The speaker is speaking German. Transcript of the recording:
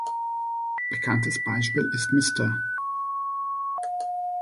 Bekanntes Beispiel ist Mr.